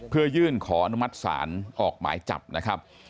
เพื่อยื่นขออนุมัติศาลออกหมายจับนะครับ